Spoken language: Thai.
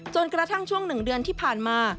จนกระทั่งช่วง๑เดือนที่ผ่านมา